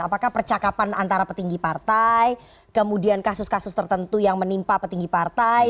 apakah percakapan antara petinggi partai kemudian kasus kasus tertentu yang menimpa petinggi partai